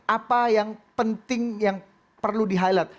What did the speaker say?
apa yang penting yang perlu di highlight